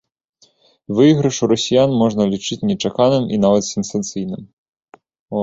Выйгрыш у расіян можна лічыць нечаканым і нават сенсацыйным.